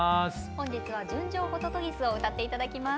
本日は「純情ホトトギス」を歌って頂きます。